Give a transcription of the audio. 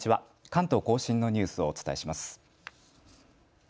関東甲信のニュースをお伝えします。